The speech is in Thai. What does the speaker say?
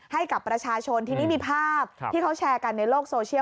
ให้กับประชาชนทีนี้มีภาพที่เขาแชร์กันในโลกโซเชียล